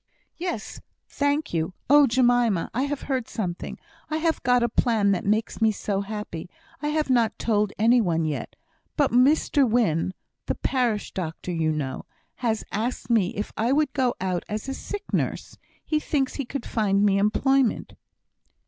"Yes; thank you. Oh! Jemima, I have heard something I have got a plan that makes me so happy! I have not told any one yet. But Mr Wynne (the parish doctor, you know) has asked me if I would go out as a sick nurse he thinks he could find me employment."